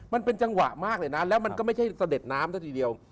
มันเป็นจังหวะมากเลยนะแล้วมันก็ไม่ใช่เสด็จน้ำซะทีเดียว